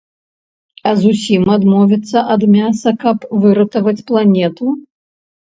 А зусім адмовіцца ад мяса, каб выратаваць планету?